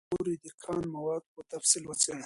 ماري کوري د کان مواد په تفصیل وڅېړل.